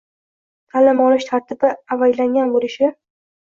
Taʼlim olish tartibi avaylangan bo‘lishi